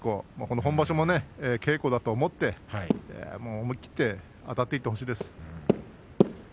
本場所も稽古だと思ってあたっていってほしいです。